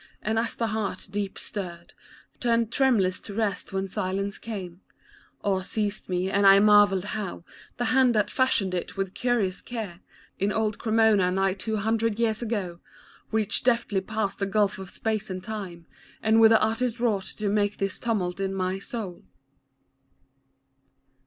And as the heart, deep stirred, Turned tremulous to rest when silence came, Awe seized me, and I marvelled how The hand that fashioned it with curious care In old Cremona, nigh two hundred years ago, Reached deftly past the gulf of space and And with the artist wrought to make this tumult in my soul.